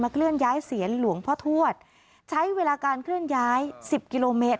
เคลื่อนย้ายเสียนหลวงพ่อทวดใช้เวลาการเคลื่อนย้ายสิบกิโลเมตร